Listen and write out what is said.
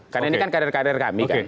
karena ini kan karir karir kami kan